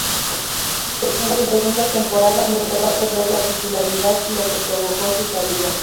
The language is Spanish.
En su segundo temporada empezó a perder la titularidad, lo que provocó su salida.